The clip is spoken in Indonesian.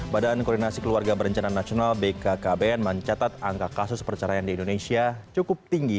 badan koordinasi keluarga berencana nasional bkkbn mencatat angka kasus perceraian di indonesia cukup tinggi